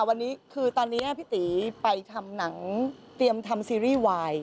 วันนี้คือตอนนี้พี่ตีไปทำหนังเตรียมทำซีรีส์วาย